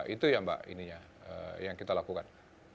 itu ya mbak ininya yang kita lakukan